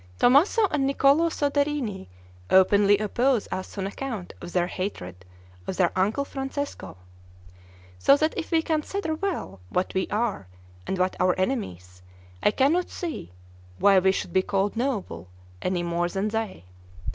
Tommaso and Niccolo Soderini openly oppose us on account of their hatred of their uncle Francesco. So that if we consider well what we are, and what our enemies, I cannot see why we should be called NOBLE any more than they.